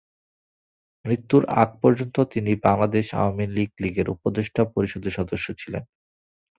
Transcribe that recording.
মৃত্যুর আগ পর্যন্ত তিনি বাংলাদেশ আওয়ামী লীগের উপদেষ্টা পরিষদের সদস্য ছিলেন।